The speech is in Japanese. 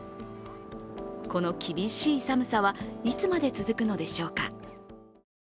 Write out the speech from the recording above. この厳しい寒さはいつまで続くのでしょうか。